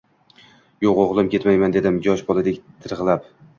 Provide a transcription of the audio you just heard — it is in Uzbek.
Yo`q o`g`lim, ketmayman, dedim yosh boladek tirg`alib